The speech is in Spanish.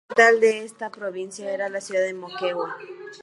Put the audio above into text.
La capital de esta provincia era la ciudad de Moquegua.